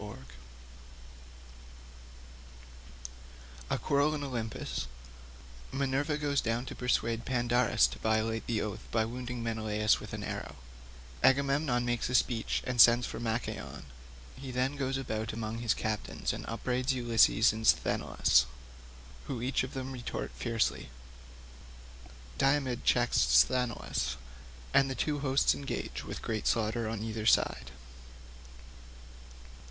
BOOK IV. A quarrel in Olympus—Minerva goes down and persuades Fandarus to violate the oaths by wounding Menelaus with an arrow—Agamemnon makes a speech and sends for Machaon—He then goes about among his captains and upbraids Ulysses and Sthenelus, who each of them retort fiercely—Diomed checks Sthenelus, and the two hosts then engage, with great slaughter on either side.